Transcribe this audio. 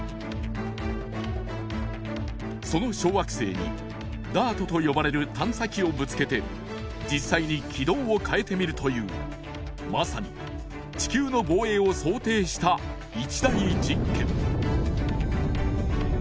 その小惑星にＤＡＲＴと呼ばれる探査機をぶつけて実際に起動を変えてみるというまさに地球の防衛を想定した一大実験